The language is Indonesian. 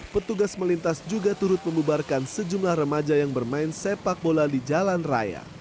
petugas melintas juga turut membubarkan sejumlah remaja yang bermain sepak bola di jalan raya